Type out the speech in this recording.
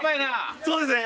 そうですね！